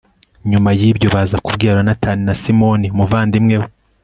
nyuma y'ibyo, baza kubwira yonatani na simoni umuvandimwe we